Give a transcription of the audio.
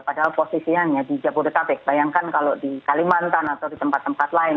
padahal posisinya hanya di jabodetabek bayangkan kalau di kalimantan atau di tempat tempat lain